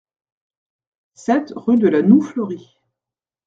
sept rue de la Noue Fleurie